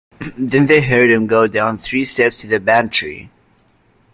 Then they heard him go down three steps to the pantry.